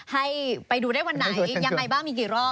ให้ไปดูได้วันไหนยังไงบ้างมีกี่รอบ